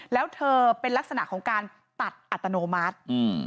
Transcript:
แล้วเธอเป็นลักษณะของการตัดอัตโนมัติ